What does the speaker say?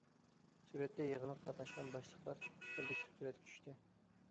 سۈرەتتە: يىغىنغا قاتناشقان باشلىقلار كوللېكتىپ سۈرەتكە چۈشتى.